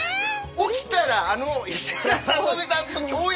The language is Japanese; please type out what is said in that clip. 起きたらあの石原さとみさんと共演？